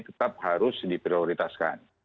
tetap harus diprioritaskan